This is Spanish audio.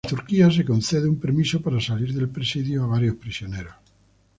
En Turquía, se concede un permiso para salir del presidio a varios prisioneros.